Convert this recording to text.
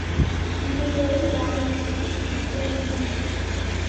இருவரும் வாய்விட்டுச் சிரித்தோம்.